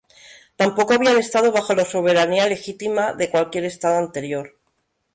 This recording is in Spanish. Tampoco habían estado bajo la soberanía legítima de cualquier estado anterior.